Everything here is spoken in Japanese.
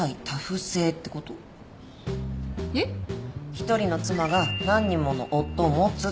１人の妻が何人もの夫を持つってやつ。